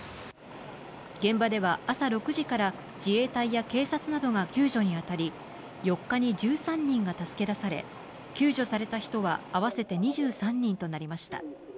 現場では朝６時から自衛隊や警察などが救助に当たり４日に１３人が助け出され救助された人は合わせて２３人となりました。